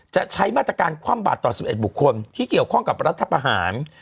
จะใช้มาตรการคว่ำบาดต่อ๑๑บุคคลที่เกี่ยวข้องกับรัฐประหาร